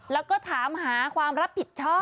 แล้วก็ถามหาความรับผิดชอบ